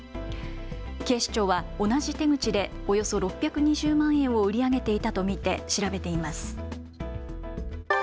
警視庁は同じ手口でおよそ６２０万円を売り上げていたと見て調べています。